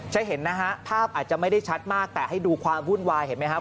จะเห็นนะฮะภาพอาจจะไม่ได้ชัดมากแต่ให้ดูความวุ่นวายเห็นไหมครับ